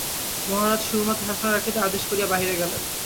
মহারাজ সুরমাকে শাসনে রাখিতে আদেশ করিয়া বাহিরে গেলেন।